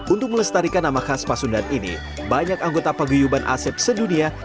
untuk melestarikan nama khas pasundan ini banyak anggota paguyuban asep sedunia